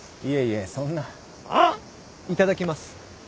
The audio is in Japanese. いただきます。